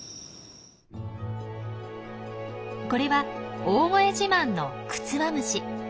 これは大声自慢のクツワムシ。